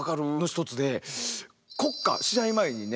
国歌試合前にね